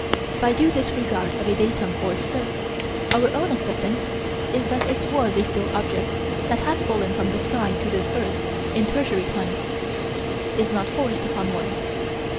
By due disregard of a datum or so, our own acceptance that it was a steel object that had fallen from the sky to this earth, in Tertiary times, is not forced upon one.